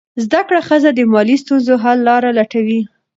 زده کړه ښځه د مالي ستونزو حل لاره لټوي.